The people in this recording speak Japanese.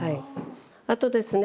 あとですね